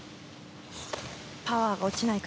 パワーが落ちないか。